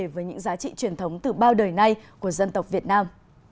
với những giá trị truyền thống từ bao đời nay của dân tộc việt nam